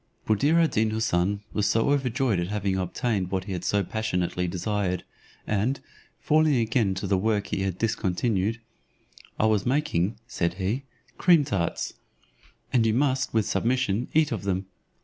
Buddir ad Deen Houssun was overjoyed at having obtained what he had so passionately desired, and, falling again to the work he had discontinued "I was making," said he, "cream tarts; and you must, with submission, eat of them.